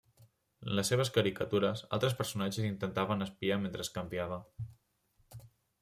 En les seves caricatures, altres personatges intentaven espiar mentre es canviava.